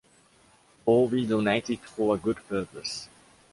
Or we donate it for a good purpose.